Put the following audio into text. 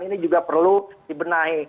ini juga perlu dibenahi